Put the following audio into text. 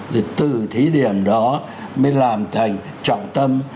rồi từ thí điểm đó mới làm thành trọng tâm